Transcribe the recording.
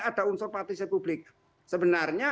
ada unsur partisi publik sebenarnya